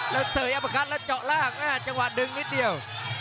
แล้วเสยอัปคัทแล้วเจาะล่างจังหวะดึงนิดเดียว